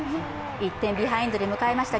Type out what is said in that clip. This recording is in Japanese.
１点ビハインドで迎えました